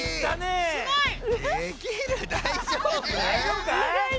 だいじょうぶかい？